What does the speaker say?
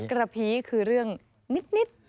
กระพีคือเรื่องนิด